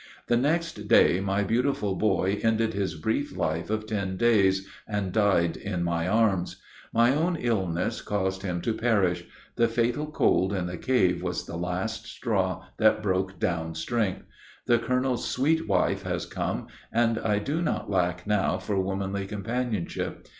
The next day my beautiful boy ended his brief life of ten days, and died in my arms. My own illness caused him to perish; the fatal cold in the cave was the last straw that broke down strength. The colonel's sweet wife has come, and I do not lack now for womanly companionship.